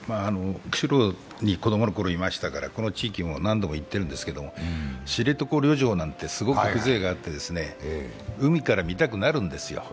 釧路に子供のころにいしまたから、何度も行ってるんですけれども、「知床旅情」なんてすごく風情があって海から見たくなるんですよ。